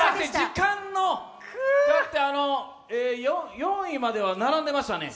だって、４位までは並んでましたね。